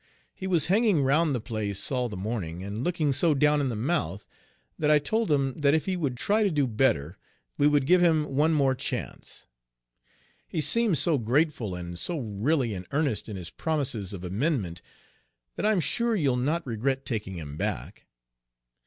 He was hanging round the place all the morning, and looking so down in the mouth, that I told him that if he would try to do better, we would give him one more chance. He seems so grateful, and so really in earnest in his promises of amendment, that I'm sure you 'll not regret taking him back."